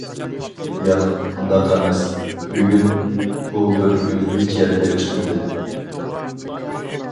ياق، ئۇنداق ئەمەس، بۈگۈن ئۇ بىر كۈن ھېچيەرگە چىقمىدى.